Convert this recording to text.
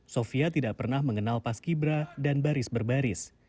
sofia tidak pernah mengenal paski bra dan baris berbaris